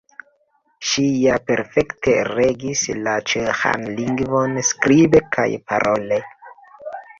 Ŝi ja perfekte regis la ĉeĥan lingvon skribe kaj parole.